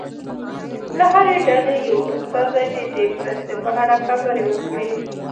له هرې ډلې یو استازی دې د مرستې په اړه خبرې وکړي.